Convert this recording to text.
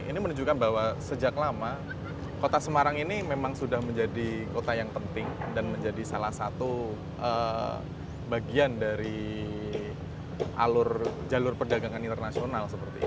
ini menunjukkan bahwa sejak lama kota semarang ini memang sudah menjadi kota yang penting dan menjadi salah satu bagian dari jalur perdagangan internasional